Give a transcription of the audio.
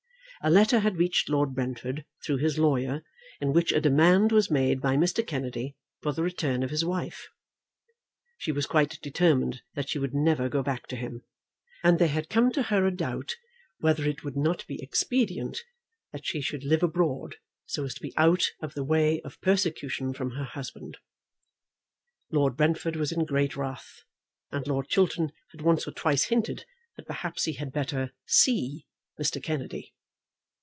A letter had reached Lord Brentford, through his lawyer, in which a demand was made by Mr. Kennedy for the return of his wife. She was quite determined that she would never go back to him; and there had come to her a doubt whether it would not be expedient that she should live abroad so as to be out of the way of persecution from her husband. Lord Brentford was in great wrath, and Lord Chiltern had once or twice hinted that perhaps he had better "see" Mr. Kennedy.